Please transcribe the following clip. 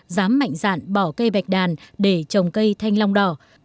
dám mạnh dạn bỏ cây bạch đàn để trồng cây thanh long đỏ